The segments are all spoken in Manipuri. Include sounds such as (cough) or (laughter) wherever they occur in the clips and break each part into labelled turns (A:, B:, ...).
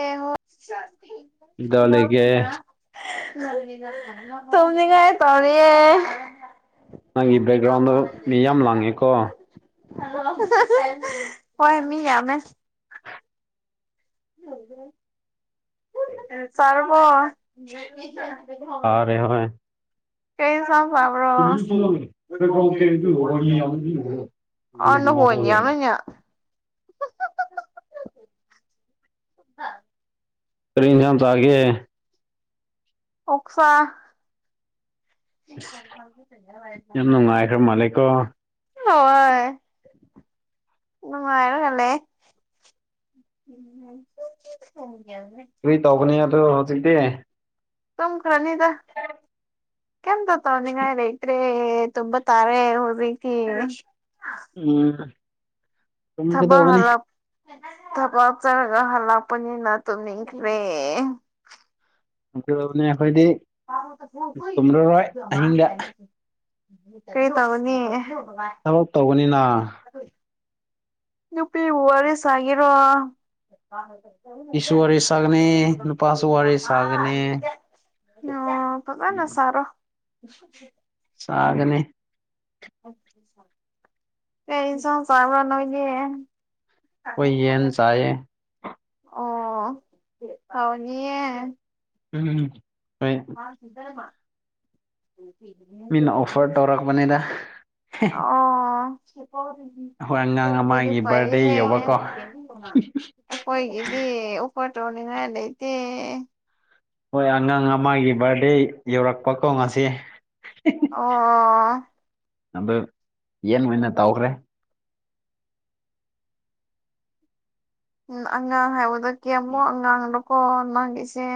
A: ꯑꯦ ꯍꯣ
B: ꯗ ꯂꯩꯒꯦ
A: ꯊꯨꯝꯅꯤꯡꯉꯥꯏ ꯇꯧꯔꯤꯌꯦ
B: ꯅꯪꯒꯤ ꯕꯦꯛꯒ꯭ꯔꯥꯎꯟꯗ ꯃꯤ ꯌꯥꯝ ꯂꯥꯡꯉꯦꯀꯣ
A: ꯍꯣꯏ ꯃꯤ ꯌꯥꯝꯃꯦ ꯆꯔꯕꯣ
B: ꯑꯔꯦ ꯍꯣꯏ
A: ꯀꯩ ꯏꯟꯁꯥꯡ
B: ꯏꯁꯨꯅꯤ
A: ꯆꯥꯕ꯭ꯔꯣ
B: ꯐꯦ ꯀꯦ
A: ꯑꯣ
B: ꯋꯥꯅꯤ
A: ꯅꯈꯣꯟ
B: (unintelligible)
A: ꯌꯥꯝꯃꯦꯅꯦ ꯍꯥ
B: ꯀꯔꯤ ꯏꯟꯁꯥꯡ ꯆꯥꯒꯦ
A: ꯑꯣꯛꯁꯥ
B: ꯌꯥꯝ ꯅꯨꯡꯉꯥꯏꯈ꯭ꯔ ꯃꯥꯜꯂꯦꯀꯣ
A: ꯍꯣꯏ ꯅꯨꯡ ꯉꯥꯏꯔꯦ ꯎꯝ ꯍꯣꯏ
B: ꯀꯔꯤ ꯇꯧꯒꯅꯤ ꯍꯧꯖꯤꯛꯇꯤ
A: ꯌꯨꯝꯈꯔꯅꯤꯗ ꯀꯝꯇ ꯇꯧꯅꯤꯉꯥꯏ ꯔꯩꯇ꯭ꯔꯦ ꯇꯨꯝꯕ ꯇꯥꯔꯦ ꯍꯣꯔꯤꯀꯤ
B: ꯎꯝ
A: ꯊꯕꯛ
B: ꯇꯨꯝꯒꯗꯧꯕꯅꯤ
A: ꯍꯊꯕꯛ ꯆꯔꯒ ꯍꯜꯂꯛꯄꯅꯤꯅ ꯇꯨꯝꯅꯤꯡꯈ꯭ꯔꯦ
B: ꯑꯗꯨ ꯑꯩꯈꯣꯏꯗꯤ ꯇꯨꯝꯂꯔꯣꯏ ꯑꯍꯤꯡꯗ
A: ꯀꯩ ꯇꯧꯒꯅꯤ
B: ꯊꯕꯛ ꯇꯧꯕꯅꯤꯅ
A: ꯍꯣꯏ ꯅꯨꯄꯤꯕꯨ ꯋꯥꯔꯤ ꯁꯥꯒꯤꯔꯣ
B: ꯏꯁꯨ ꯋꯥꯔꯤ ꯁꯥꯒꯅꯤ ꯅꯨꯄꯥꯁꯨ ꯋꯥꯔꯤ ꯁꯥꯒꯅꯤ
A: (unintelligible) ꯑꯣ ꯐꯥꯖꯅ ꯁꯔꯣ
B: ꯆꯒꯅꯦ
A: ꯀꯩ ꯏꯟꯁꯡ ꯆꯕꯔꯥ ꯅꯣꯏꯗ
B: ꯑꯣꯏ ꯌꯦꯟ ꯆꯑꯦ
A: ꯑꯣ ꯍꯥꯎꯅꯤꯌꯦ
B: ꯎꯝ ꯍꯣꯏ
A: (unintelligible)
B: ꯃꯤꯅ ꯑꯣꯐꯔ ꯇꯧꯔꯛꯄꯅꯤꯗ
A: ꯑꯣ
B: ꯍꯣꯏ ꯑꯉꯥꯡ
A: ꯑꯗꯨꯗꯤ
B: ꯑꯃꯒꯤ
A: ꯐꯩꯍꯦ
B: ꯕꯥꯔꯗꯦ ꯌꯧꯕꯀꯣ
A: ꯑꯩꯈꯣꯏꯒꯤꯗꯤ ꯎꯄꯔ ꯇꯧꯅꯤꯡꯉꯥꯏ ꯂꯩꯇꯦ
B: ꯍꯣꯏ ꯑꯉꯥꯡ ꯑꯃꯒꯤ ꯕꯥꯔꯗꯦ ꯌꯧꯔꯛꯄꯀꯣ ꯉꯁꯤ
A: ꯑꯣ
B: ꯑꯗꯨ ꯌꯦꯟ ꯑꯣꯏꯅ ꯇꯧꯈ꯭ꯔꯦ
A: ꯎꯝ ꯑꯉꯥꯡ ꯍꯥꯏꯕꯗ ꯀꯌꯃꯨꯛ ꯑꯉꯥꯡꯅꯣꯀꯣ ꯅꯪꯒꯤꯁꯦ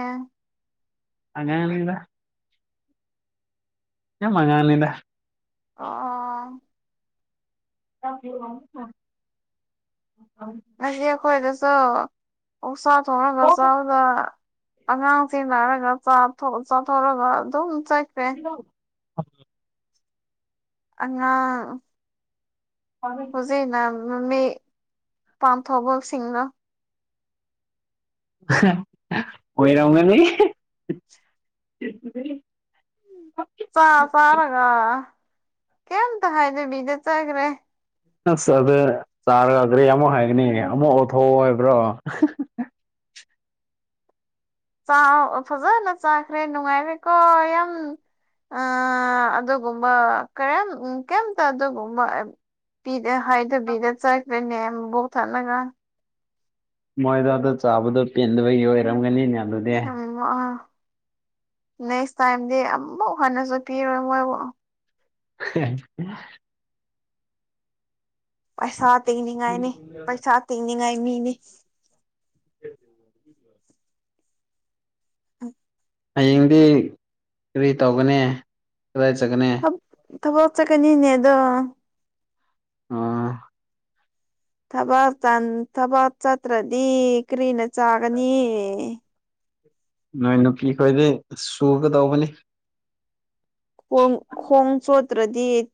B: ꯑꯉꯡꯅꯤꯗ ꯌꯥꯝ ꯑꯥꯉꯥꯡꯅꯤꯗ
A: ꯑꯣ
B: (unintelligible)
A: ꯉꯁꯤ ꯑꯩꯈꯣꯏꯗꯁꯨ ꯑꯣꯛꯁꯥ ꯊꯣꯡꯒ ꯆꯥꯎꯗ ꯑꯉꯥꯡꯁꯤ ꯅꯥꯔꯒ ꯆꯥꯊꯣꯛꯔꯒ ꯑꯗꯨꯝ ꯆꯠꯈ꯭ꯔꯦ
B: ꯍꯣ
A: ꯑꯉꯥꯡ
B: (unintelligible)
A: ꯃꯦꯝꯃꯤ ꯄꯝ ꯐꯣꯕꯁꯤꯡꯅꯣ
B: ꯑꯣꯏꯔꯝꯒꯅꯤ
A: ꯆ ꯆꯔꯒ ꯀꯦꯜꯇ ꯍꯥꯏꯗꯦ ꯤꯗ ꯆꯒ꯭ꯔꯦ
B: ꯑꯁ ꯑꯗꯨꯗ ꯆꯥꯔꯒ ꯀꯔꯤ ꯑꯃꯨꯛ ꯍꯥꯏꯒꯅꯤ ꯑꯃꯨꯛ ꯑꯣꯊꯣꯛ ꯍꯥꯏꯕ꯭ꯔꯣ
A: ꯐꯖꯅ ꯆꯥꯈ꯭ꯔꯦ ꯅꯨꯡꯉꯥꯏꯔꯦꯀꯣ ꯌꯥꯝ ꯑ ꯑꯗꯨꯒꯨꯝꯕ ꯀꯔꯤꯝ ꯀꯩꯝꯇ ꯑꯗꯨꯒꯨꯝꯕ ꯄꯤꯗ ꯍꯥꯏꯗꯕꯤꯗ ꯆꯠꯈ꯭ꯔꯦꯅꯦ ꯣꯛ ꯊꯠꯂꯒ
B: ꯃꯣꯏꯗꯣ ꯑꯗ ꯆꯥꯕꯗꯣ ꯄꯦꯟꯗꯕꯒꯤ ꯑꯣꯏꯔꯝꯒꯅꯤꯅꯦ ꯑꯗꯨꯗꯤ
A: ꯑꯥ ꯅꯦꯛꯁ ꯇꯥꯏꯝꯗꯤ ꯑꯃꯨꯛ ꯍꯟꯅꯁꯨ ꯄꯤꯔꯣꯏ ꯃꯣꯏꯕꯨ
B: (inaudible)
A: ꯄꯩꯁꯥ ꯇꯤꯡꯅꯤꯡꯉꯥꯏꯅꯦ ꯄꯩꯁꯥ ꯇꯤꯡꯅꯤꯡꯉꯥꯏ ꯃꯤꯅꯤ
B: (inaudible)
A: ꯎꯝ
B: ꯍꯌꯦꯡꯗꯤ ꯀꯔꯤ ꯇꯧꯒꯅꯤ ꯀꯗꯥꯏ ꯆꯠꯒꯅꯤ
A: ꯏ ꯊꯕꯣ ꯆꯀꯦꯅꯤꯅꯦ ꯑ ꯑꯗꯨꯣ
B: ꯑ
A: ꯊ ꯊꯕꯛ ꯆꯠꯇ꯭ꯔꯗꯤ ꯀꯔꯤꯅ ꯆꯥꯒꯅꯤ
B: ꯅꯣꯏ ꯅꯨꯄꯤ ꯈꯣꯏꯗꯤ ꯁꯨꯒ ꯇꯧꯕꯅꯤ
A: ꯈꯣꯡꯣꯡꯆꯣꯇ꯭ꯔ ꯗꯠ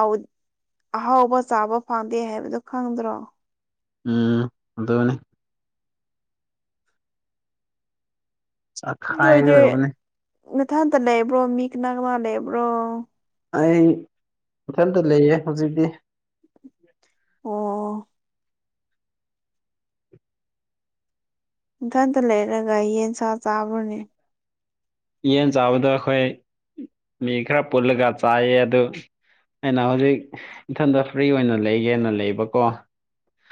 A: ꯥꯎ ꯑꯍꯥꯎꯕ ꯆꯥꯕ ꯐꯪꯗꯦ ꯍꯥꯏꯕꯗꯨꯣ ꯈꯪꯗ꯭ꯔꯣ
B: ꯎꯝ ꯑꯗꯅꯤ
A: ꯅꯣꯏꯗꯤꯦ
B: ꯆꯥꯛꯈꯥꯏꯒꯗꯧꯕꯅꯤ
A: ꯃꯊꯥꯟꯇ ꯂꯩꯕ꯭ꯔꯣ ꯃꯤ ꯀꯅꯥꯒꯅꯥ ꯂꯩꯕ꯭ꯔꯣ
B: ꯑꯩ ꯃꯊꯟꯇ ꯂꯩꯌꯦ ꯍꯧꯖꯤꯛꯇꯤ
A: ꯑꯣ ꯏꯊꯟꯇ ꯂꯩꯔꯒ ꯌꯦꯟ ꯁꯥ ꯆꯥꯕ꯭ꯔꯅꯦ
B: ꯌꯦꯟ ꯆꯥꯕꯗꯣ ꯑꯩꯈꯣꯏ ꯃꯤ ꯈꯔ ꯄꯨꯜꯂꯒ ꯆꯥꯏꯌꯦ ꯑꯗꯨ ꯑꯩꯅ ꯍꯧꯖꯤꯛ ꯏꯊꯟꯗ ꯐ꯭ꯔꯤ ꯑꯣꯏꯅ ꯂꯩꯒꯦꯅ ꯂꯩꯕꯀꯣ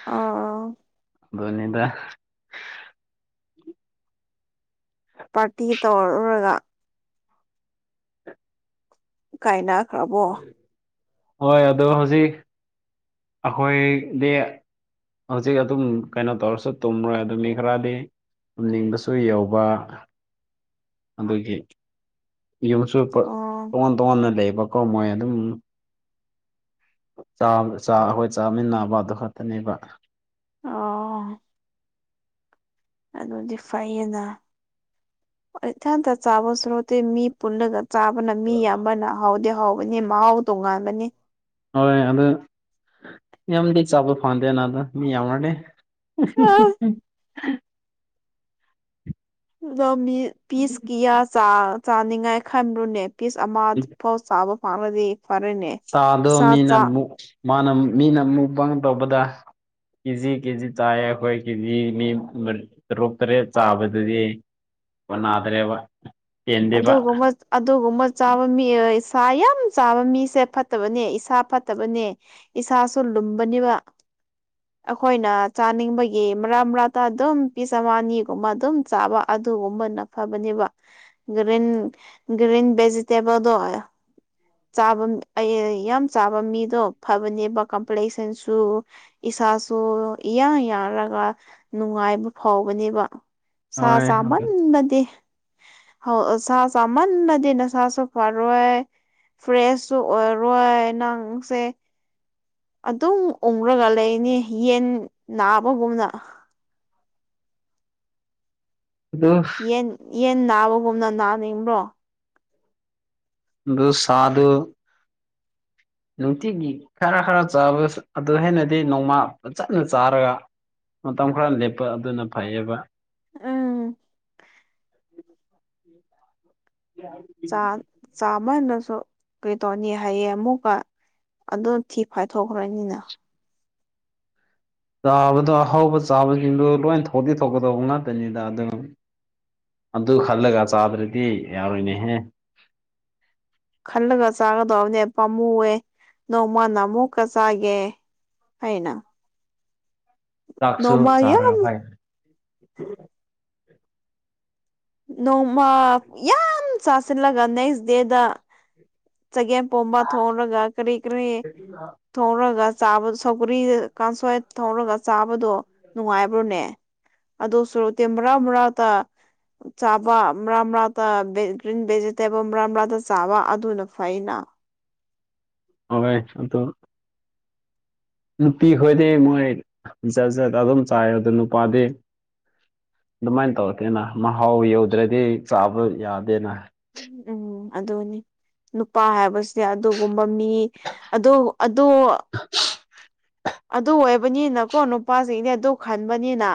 A: ꯑ
B: ꯅꯤꯗ
A: ꯄꯥꯔꯇꯤ ꯇꯧꯔꯔꯨꯔꯒ ꯀꯥꯏꯅꯈ꯭ꯔꯕꯣ
B: ꯍꯣꯏ ꯑꯗꯣ ꯍꯧꯖꯤꯛ ꯑꯩꯈꯣꯏꯗꯤ ꯍꯧꯖꯤꯛ ꯑꯗꯨꯝ ꯀꯩꯅꯣ ꯇꯧꯔꯁꯨ ꯇꯨꯝꯔꯣꯏ ꯑꯗꯨꯅꯤ ꯈꯔꯗꯤ ꯇꯝꯅꯤꯡꯕꯁꯨ ꯌꯎꯧꯕ ꯑꯗꯨꯒꯤ ꯌꯨꯝꯁꯨ
A: ꯑꯣ
B: ꯇꯣꯉꯥꯟ ꯇꯣꯉꯥꯟꯅ ꯂꯩꯕꯀꯣ ꯃꯣꯏ ꯑꯗꯨꯝ ꯆꯥꯛ ꯑꯩꯈꯣꯏ ꯆꯥꯃꯤꯟꯅꯕ ꯑꯗꯨ ꯈꯛꯇꯅꯦꯕ
A: ꯑꯣ ꯑꯗꯨꯗꯤ ꯐꯩꯌꯦꯅ ꯏꯊꯟꯇ ꯆꯥꯕ ꯁꯨꯔꯣꯠꯇꯦ ꯃꯤ ꯄꯨꯜꯂꯒ ꯆꯥꯕꯅ ꯃꯤ ꯌꯥꯝꯌꯥꯝꯕꯅ ꯍꯥꯎꯗꯤꯦ ꯍꯥꯎꯕꯅꯤ ꯃꯍꯥꯎ ꯇꯣꯉꯥꯟꯕꯅꯤ
B: ꯍꯣꯏ ꯑꯗ ꯌꯥꯝꯗꯤ ꯆꯥꯄ ꯐꯥꯟꯗꯦꯅꯥꯗ ꯃꯤ ꯌꯥ ꯋꯥ
A: ꯑꯥ ꯑꯣ ꯃꯤ ꯄꯤꯁ ꯀꯤꯌꯥ ꯆꯥꯅꯤꯡꯉꯥꯏ ꯈꯟꯂꯨꯅꯦ ꯄꯤꯁ ꯑꯃꯐꯥꯎ ꯆꯥꯕ ꯐꯥꯂꯗꯤ ꯐꯔꯦꯅꯦ
B: ꯆꯥꯗꯣ
A: ꯁꯥ
B: ꯃꯤꯅ
A: ꯆꯥ
B: ꯑꯃꯨꯛ ꯃꯥꯅ ꯃꯤꯅ ꯃꯨꯛꯕꯥ ꯇꯧꯕꯗ ꯀꯦꯖꯤ ꯀꯦꯖꯤ ꯇꯥꯏ ꯑꯩꯈꯣꯏ ꯀꯦꯖꯤ ꯃꯤ ꯇꯔꯨꯇ꯭ꯔꯦ ꯆꯥꯕꯗꯨꯗꯤ ꯅꯥꯗ꯭ꯔꯦꯕ
A: ꯑꯗꯨꯒꯨꯝꯕ ꯑꯗꯨꯒꯨꯝꯕ ꯆꯥꯕ ꯃꯤ ꯏꯁꯥ ꯌꯥꯝ ꯆꯥꯕ ꯃꯤꯁꯦ ꯐꯠꯇꯕꯅꯦ ꯏꯁꯥ ꯐꯠꯇꯕꯅꯦ ꯏꯁꯥꯁꯨ ꯂꯨꯝꯕꯅꯤꯕ
B: (inaudible)
A: ꯑꯩꯈꯣꯏꯅ ꯆꯥꯅꯤꯡꯕꯒꯤ ꯃꯔꯥ ꯃꯔꯥꯇꯥ ꯑꯗꯨꯝ ꯄꯤꯁ ꯑꯅꯤꯒꯨꯝꯕ ꯑꯗꯨꯝ ꯆꯥꯕ ꯑꯗꯨꯒꯨꯝꯕꯅ ꯐꯕꯅꯦꯕ ꯒ꯭ꯔꯤꯟ ꯒ꯭ꯔꯤꯟ ꯚꯦꯖꯤꯇꯦꯕꯜꯗꯣ ꯆꯥꯕꯝ ꯑꯩ ꯌꯥꯝ ꯆꯥꯕ ꯃꯤꯗꯣ ꯐꯕꯅꯦꯕ ꯀꯝꯄ꯭ꯂꯦꯛꯁꯟꯁꯨ ꯏꯁꯥꯁꯨ ꯏꯌꯥ ꯌꯥꯔꯒ ꯅꯨꯡꯉꯥꯏꯕ ꯐꯥꯎꯕꯅꯦꯕ ꯁꯥ
B: ꯍꯣꯏ
A: ꯆꯃꯥꯟ
B: ꯑꯗꯨ
A: ꯅꯗꯤ ꯍꯣ ꯑꯣ ꯁꯥ ꯆꯃꯟꯅꯗꯤ ꯅꯁꯥꯁꯨ ꯐꯔꯣꯏ ꯐ꯭ꯔꯦꯁꯁꯨ ꯑꯣꯏꯔꯔꯣꯏ ꯅꯪꯁꯦ ꯑꯗꯨꯝ ꯎꯪꯔꯒ ꯂꯩꯅꯤ ꯌꯦꯟ ꯅꯥꯕꯒꯨꯝꯅ
B: ꯑꯗꯨ
A: ꯌꯦꯟ ꯌꯦꯟ ꯅꯥꯕꯒꯨꯝꯅ ꯅꯥꯅꯤꯡꯕ꯭ꯔꯣ
B: ꯑꯗꯨ ꯁꯥꯗꯨꯨ ꯅꯨꯡꯇꯤꯒꯤ ꯈꯔ ꯈꯔ ꯆꯥꯕ ꯑꯗꯨ ꯍꯦꯟꯅꯗꯤ ꯅꯣꯡꯃꯥ ꯐꯖꯅ ꯆꯥꯔꯒ ꯃꯇꯝ ꯈꯔ ꯂꯦꯞꯄ ꯑꯗꯨꯅ ꯐꯩꯌꯦꯕ
A: ꯑꯪ
B: (unintelligible) ꯌꯥ
A: ꯆꯥꯛ ꯆꯥꯃꯟꯅꯁꯨ ꯀꯩꯗꯧꯅꯤ ꯍꯥꯏꯌꯦ ꯑꯃꯨꯛꯀ ꯑꯗꯨ ꯊꯤ ꯐꯥꯏꯊꯣꯛꯈ꯭ꯔꯅꯤꯅ
B: ꯆꯥꯕꯗꯣ ꯑꯍꯥꯎꯕ ꯆꯥꯕꯁꯤꯡꯗꯣ ꯂꯣꯏ ꯊꯧꯗꯤ ꯊꯧꯀꯗꯧꯕ ꯉꯥꯛꯇꯅꯤꯗ ꯑꯗꯨ ꯑꯗꯨ ꯈꯜꯂꯒ ꯆꯥꯗ꯭ꯔꯗꯤ ꯌꯥꯔꯣꯏꯅꯦꯍꯦ
A: ꯈꯜꯂꯒ ꯆꯥꯒꯗꯕꯅꯦ ꯄꯥꯝꯃꯨꯑꯦ ꯅꯣꯡꯃꯅ ꯑꯃꯨꯛꯀ ꯆꯥꯒꯦ ꯍꯩꯅ
B: ꯆꯥꯛꯁꯨ ꯆꯥꯔ
A: ꯌꯥꯝ
B: ꯐꯥꯏ
A: ꯅꯣꯡꯃ ꯌꯥꯝ ꯆꯥꯁꯤꯜꯂꯒ ꯅꯦꯛꯁ ꯗꯦꯗ ꯆꯒꯦꯝ ꯄꯣꯝꯕꯥ ꯊꯣꯡꯔꯒ ꯀꯔꯤ ꯀꯔꯤ ꯊꯣꯡꯔꯒ ꯆꯥꯕ ꯁꯧꯒꯔꯤ ꯀꯥꯡꯁꯣꯏꯠ ꯊꯧꯔꯒ ꯆꯥꯕꯗꯣ ꯅꯨꯡꯉꯥꯏꯕ ꯔꯨꯅꯦ ꯑꯗꯨꯁꯨ ꯇꯦꯝ ꯕꯔꯥ ꯃꯔꯥꯇ ꯆꯥꯕ ꯃꯔꯥ ꯃꯔꯥꯛꯗ ꯚꯦ ꯒ꯭ꯔꯤꯟ ꯚꯦꯖꯤꯇꯦꯕꯜ ꯃꯔꯥ ꯃꯔꯛꯗ ꯆꯥꯕ ꯑꯗꯨꯅ ꯐꯩꯅ
B: ꯍꯥꯎꯋꯦ ꯑꯗꯣ ꯅꯨꯄꯤ ꯈꯣꯏꯗꯤ ꯃꯣꯏ ꯖꯠ ꯖꯠ ꯑꯗꯨꯝ ꯆꯥꯏ ꯑꯗꯨ ꯅꯨꯄꯥꯗꯤ ꯑꯗꯨꯃꯥꯏꯅ ꯇꯧꯔꯇꯦꯅ ꯃꯍꯥꯎ ꯌꯧꯗ꯭ꯔꯗꯤ ꯆꯥꯕ ꯌꯥꯗꯦꯅ
A: ꯎꯝ ꯑꯗꯨꯅꯤ ꯅꯨꯄꯥ ꯍꯥꯏꯕꯁꯤꯗꯤ ꯑꯗꯨꯒꯨꯝꯕ ꯃꯤ ꯑꯗꯨ ꯑꯗꯨ ꯑꯗꯨ ꯑꯣꯏꯕꯅꯤꯅꯀꯣ ꯅꯨꯄꯥꯁꯤꯡꯗꯤ ꯑꯗꯨ ꯈꯟꯕꯅꯤꯅ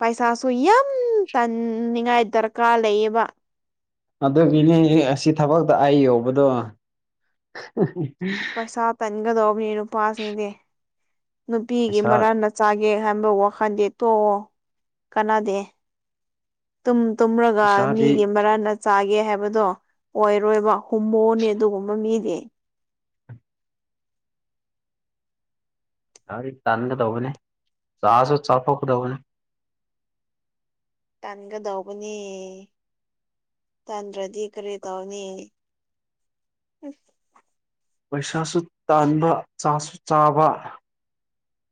A: ꯄꯩꯁꯥꯁꯨ ꯌꯥꯝ ꯇꯥꯟꯅꯤꯡꯉꯥꯏ ꯗꯔꯀꯥꯔ ꯂꯩꯌꯦꯕ
B: ꯑꯗꯨꯒꯤꯅꯦ ꯑꯁꯤ ꯊꯕꯛꯇ ꯑꯩ ꯌꯧꯕꯗꯣ
A: ꯄꯩꯁꯥ ꯇꯟꯒꯗꯧꯕꯤ ꯅꯨꯄꯥꯁꯤꯡꯗꯤ ꯅꯨꯄꯤꯒꯤ
B: ꯄꯩꯁꯥ
A: ꯃꯔꯟꯅ ꯆꯥꯒꯦ ꯈꯟꯕ ꯋꯥꯈꯟꯗꯤ ꯇꯣꯛꯑꯣ ꯀꯅꯥꯗꯦ ꯨꯇꯨꯝ ꯇꯨꯝꯔꯒ
B: ꯄꯩꯁꯥꯗꯤ
A: ꯃꯤꯒꯤ ꯃꯔꯟꯅ ꯆꯥꯒꯦ ꯍꯥꯏꯕꯗꯣ ꯑꯣꯏꯔꯣꯏꯕ ꯍꯨꯝꯃꯨꯅꯦ ꯑꯗꯨꯒꯨꯝꯕ ꯃꯤꯗꯤ
B: ꯒꯥꯔꯤ ꯇꯥꯟꯒꯗꯧꯕꯅꯦ ꯆꯥꯁꯨ ꯆꯐꯣꯛꯀꯗꯧꯕꯅꯦ
A: ꯇꯥꯟꯒꯗꯧꯕꯅꯦ ꯇꯟꯗ꯭ꯔꯗꯤ ꯀꯔꯤ ꯇꯧꯅꯤ
B: ꯄꯩꯁꯥꯁꯨ ꯇꯥꯟꯕ ꯆꯥꯁꯨ ꯆꯥꯕ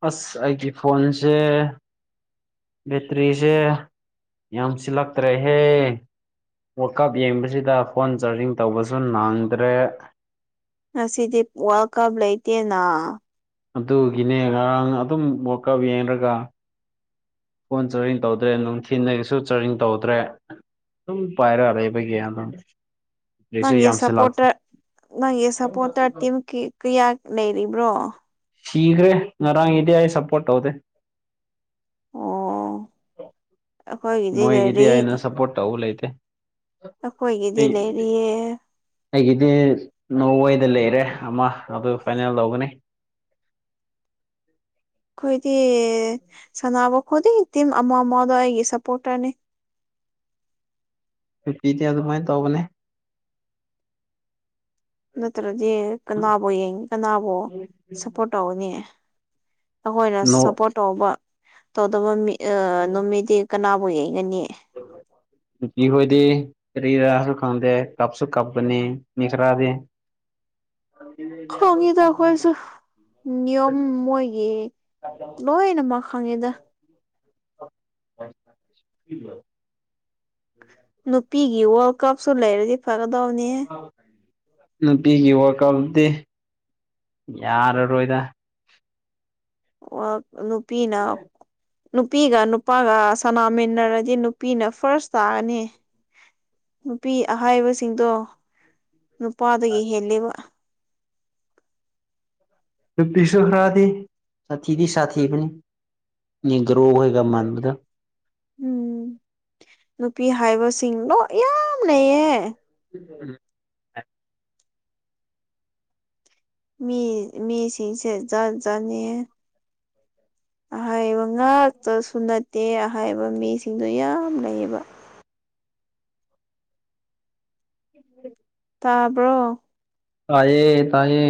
B: ꯑꯁ ꯑꯩꯒꯤ ꯐꯣꯟꯁꯦ ꯕꯦꯇ꯭ꯔꯤꯁꯦ ꯌꯥꯝ ꯁꯤꯜꯂꯛꯇ꯭ꯔꯦꯍꯦ ꯋꯥꯀꯞ ꯌꯦꯡꯕꯁꯤꯗ ꯐꯣꯟ ꯆꯥꯔꯖꯤꯡ ꯇꯧꯕꯁꯨ ꯅꯥꯡꯗ꯭ꯔꯦ
A: ꯉꯁꯤꯗꯤ ꯋꯥꯔꯜ ꯀꯞ ꯂꯩꯇꯦꯅ
B: ꯑꯗꯨꯒꯤꯅꯦ ꯉꯔꯥꯡ ꯑꯗꯨꯝ ꯋꯥꯀꯞ ꯌꯦꯡꯔꯒ ꯐꯣꯟ ꯆꯥꯔꯤꯡ ꯇꯧꯗ꯭ꯔꯦ ꯅꯨꯡꯊꯤꯟꯗꯒꯤꯁꯨ ꯆꯥꯔꯤꯡ ꯇꯧꯗ꯭ꯔꯦ ꯑꯗꯨꯝ ꯄꯥꯏꯔ ꯔꯩꯕꯒꯤ ꯑꯗꯨꯝ ꯍꯧꯖꯤꯛꯁꯨ
A: ꯅꯪꯒꯤ
B: ꯌꯥꯝꯁꯤꯜꯂꯛ
A: ꯁꯄꯣꯔꯇꯔ ꯅꯪꯒꯤ ꯁꯄꯣꯔꯇꯔ ꯇꯤꯝ ꯀꯤ ꯀꯌꯥ ꯂꯩꯔꯤꯕ꯭ꯔꯣ
B: ꯁꯤꯒ꯭ꯔꯦ ꯉꯔꯥꯡ ꯏꯗꯤ ꯑꯩ ꯁꯄꯣꯔꯠ ꯇꯧꯗꯦ
A: ꯑꯣ ꯑꯩꯈꯣꯏꯒꯤꯗꯤ
B: ꯃꯣꯏꯒꯤꯗꯤ
A: ꯂꯩꯔꯤ
B: ꯑꯩꯅ ꯁꯞꯄꯣꯔꯠ ꯇꯧꯕ ꯂꯩꯇꯦ
A: ꯑꯩꯈꯣꯏꯒꯤꯗꯤ
B: ꯑꯩ
A: ꯂꯩꯔꯤꯌꯦ
B: ꯑꯩꯒꯤꯗꯤ ꯅꯣꯏꯗ ꯂꯩꯔꯦ ꯑꯃ ꯑꯗꯨ ꯐꯥꯏꯅꯦꯜ ꯂꯧꯒꯅꯤ
A: ꯑꯩꯈꯣꯏꯗꯤ ꯁꯥꯟꯅꯕ ꯈꯨꯗꯤꯡ ꯇꯤꯝ ꯑꯃ ꯑꯃꯗꯣ ꯑꯩꯒꯤ ꯁꯞꯄꯣꯔꯇꯔꯅꯤ
B: ꯄꯤꯗꯤ ꯑꯗꯨꯃꯥꯏꯅ ꯇꯧꯕꯅꯦ
A: ꯅꯠꯇ꯭ꯔꯗꯤ ꯀꯅꯥꯕꯨ ꯌꯦꯡ ꯀꯅꯥꯕꯨ ꯁꯞꯄꯣꯔꯠ ꯇꯧꯒꯥꯅꯤ ꯑꯩꯈꯣꯏꯅ
B: ꯅꯣ
A: ꯁꯞꯄꯣꯔꯠ ꯇꯧꯕ ꯇꯧꯗꯕ ꯑꯥ ꯅꯨꯃꯤꯠꯇꯤ ꯀꯅꯥꯕꯨ ꯌꯦꯡꯒꯅꯤ
B: ꯅꯨꯄꯤ ꯈꯣꯏꯗꯤ ꯀꯥꯔꯤꯔꯁꯨ ꯈꯪꯗ ꯀꯞꯁꯨ ꯀꯞꯄꯅꯤ ꯃꯤ ꯈꯔꯗꯤ (unintelligible) (unintelligible)
A: ꯈꯪꯉꯤꯗ ꯑꯩꯈꯣꯏꯁꯨ
B: (unintelligible)
A: ꯅꯤꯌꯣꯝ ꯃꯣꯏꯒꯤ ꯂꯣꯏꯅꯃꯛ ꯈꯪꯉꯤꯗ
B: (unintelligible) (inaudible) (unintelligible)
A: ꯅꯨꯄꯤꯒꯤ ꯋꯥ꯭ꯔꯜꯗ ꯀꯞꯁꯨ ꯂꯩꯔꯗꯤ ꯐꯒꯗꯧꯅꯤ
B: (unintelligible) ꯅꯨꯄꯤꯒꯤ ꯋꯥ꯭ꯔꯀꯞꯇꯗꯤ ꯌꯥꯔꯔꯣꯏꯗ
A: ꯋ꯭ꯔꯜ ꯅꯨꯄꯤꯅ ꯅꯨꯄꯤꯒ ꯅꯨꯄꯥꯒ ꯁꯅꯥꯃꯤꯟꯅꯔꯗꯤ ꯅꯨꯄꯤꯅ ꯐꯥ꯭ꯔꯁ ꯇꯥꯒꯅꯤ ꯅꯨꯄꯤ ꯑꯍꯥꯏꯕꯁꯤꯡꯗꯣ ꯅꯨꯄꯥꯗꯒꯤ ꯍꯦꯜꯂꯦꯕ
B: ꯅꯨꯄꯤꯁꯨ ꯈ꯭ꯔꯥꯗꯤ ꯁꯥꯊꯤꯗꯤ ꯁꯥꯊꯤꯕꯅꯤ ꯅꯦꯒ꯭ꯔꯣꯍꯣꯏꯒ ꯃꯥꯟꯕꯗꯨ
A: ꯎꯝ ꯅꯨꯄꯤ ꯍꯥꯏꯕꯁꯤꯡ ꯂꯣ ꯌꯥꯝ ꯂꯩꯌꯦ
B: ꯎꯝ
A: ꯃꯤ ꯃꯤꯁꯤꯡꯁꯦ ꯖꯥꯠ ꯖꯥꯠꯅꯤ ꯑꯍꯩꯕ ꯉꯥꯛꯇꯁꯨ ꯅꯠꯇꯦ ꯑꯍꯩꯕ ꯃꯤꯁꯤꯡꯗꯨ ꯌꯥꯝ ꯂꯩꯌꯦꯕ
B: (unintelligible) (inaudible)
A: ꯇꯥꯕ꯭ꯔꯣ
B: ꯇꯌꯦ ꯇꯥꯏꯌꯦ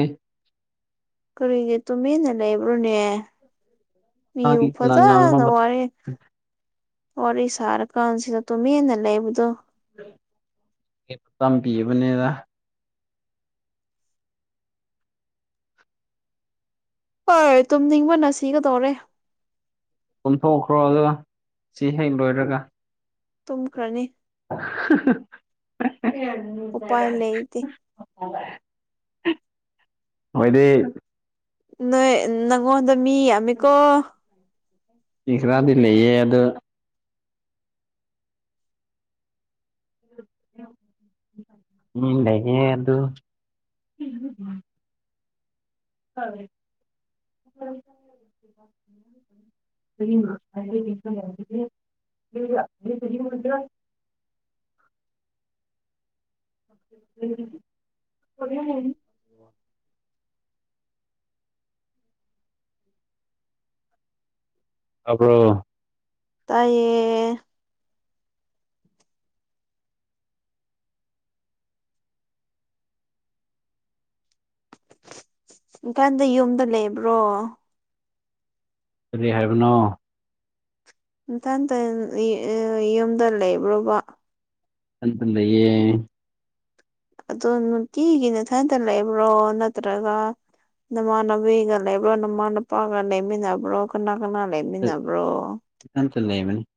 A: ꯀꯔꯤꯒꯤ ꯇꯨꯃꯤꯟꯅ ꯂꯩꯕ꯭ꯔꯣꯅꯦ ꯃꯤꯕꯨ
B: ꯅꯪꯅ ꯉꯥꯡꯕ
A: ꯐꯖꯅ
B: ꯃꯇꯝꯒꯤ
A: ꯋꯥꯔꯤ ꯋꯥꯔꯤ ꯁꯥꯔꯀꯥꯟꯁꯤꯗ ꯇꯨꯃꯤꯟꯅ ꯂꯩꯕꯗꯣ
B: (unintelligible) ꯃꯥꯇꯝ ꯄꯤꯕꯅꯦꯗꯥ
A: ꯍꯣꯏ ꯇꯨꯝꯅꯤꯡꯕꯅ ꯁꯤꯒꯗꯧꯔꯦ
B: ꯇꯨꯝꯊꯣꯛꯈ꯭ꯔꯣ ꯑꯗꯨꯒ ꯁꯤ ꯍꯦꯛ ꯂꯣꯏꯔꯒ
A: ꯇꯨꯝꯈ꯭ꯔꯅꯤ
B: (unintelligible) (unintelligible) (unintelligible)
A: ꯎꯄꯥꯏ ꯂꯩꯇꯦ
B: (unintelligible) ꯃꯣꯏꯗꯤ
A: ꯅꯣꯏ ꯅꯪꯉꯣꯅꯗ ꯃꯤ ꯌꯥꯃꯦꯀꯣ
B: ꯃꯤ ꯈꯔꯥꯗꯤ ꯂꯩꯌꯦ ꯑꯗꯣ ꯎꯝ ꯂꯩꯍꯦ ꯑꯗꯨ (unintelligible) (unintelligible) (unintelligible) (unintelligible) (unintelligible) (inaudible) (unintelligible)
A: (inaudible)
B: ꯇꯥꯕ꯭ꯔꯣ
A: ꯇꯥꯏꯌꯦ ꯏꯝꯐꯥꯜꯗ ꯌꯨꯝꯗ ꯂꯩꯕ꯭ꯔꯣ
B: ꯀꯔꯤ ꯍꯥꯏꯕꯅꯣ
A: ꯏꯊꯟꯇ ꯌꯨꯝꯗ ꯂꯩꯕ꯭ꯔꯣꯕ
B: ꯢꯊꯥꯜꯗ ꯂꯩꯌꯦ
A: ꯑꯗꯣ ꯅꯨꯡꯇꯤꯒꯤ ꯅꯊꯟꯇ ꯂꯩꯕ꯭ꯔꯣ ꯅꯠꯇ꯭ꯔꯒ ꯅꯃꯥꯟꯅꯕꯤꯒ ꯂꯩꯕ꯭ꯔꯣ ꯅꯃꯥ ꯅꯄꯥꯒ ꯂꯩꯃꯤꯟꯅꯕ꯭ꯔꯣ ꯀꯅꯥ ꯀꯅꯥ ꯂꯩꯃꯤꯟꯅꯕ꯭ꯔꯣ
B: ꯢꯊꯥꯟꯇ ꯂꯩꯕꯅꯤ